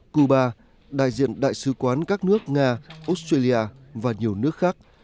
cuba đại diện đại sứ quán các nước nga australia và nhiều nước khác